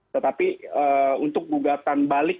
tetapi untuk gugatan balik